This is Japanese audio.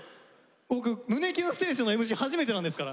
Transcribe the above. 僕胸キュンステージのＭＣ初めてなんですから。